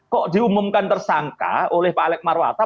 kok diumumkan tersangka oleh pak alec marwata